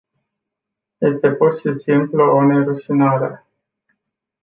Este pur și simplu o nerușinare...